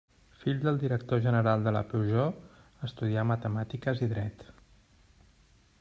Fill del director general de la Peugeot estudià matemàtiques i dret.